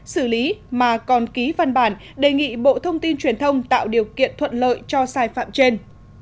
xử lý mà còn ký văn bản đề nghị bộ thông tin truyền thông tạo điều kiện thuận lợi cho sai phạm trên